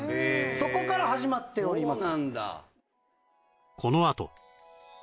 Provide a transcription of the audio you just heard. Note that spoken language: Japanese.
そこから始まっております